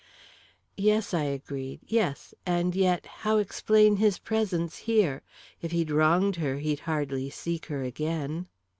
"Yes," I agreed; "yes and yet, how explain his presence here? If he'd wronged her, he'd hardly seek her again."